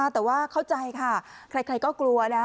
แต่ว่าเข้าใจค่ะใครก็กลัวนะ